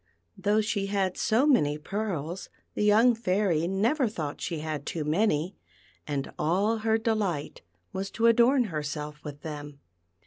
Though she had so many pearls the young Fairy never thought she had too many, and all her delight was to adorn herself with them.